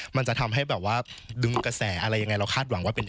มันจะทำให้แบบว่าดึงกระแสอะไรยังไงเราคาดหวังว่าเป็น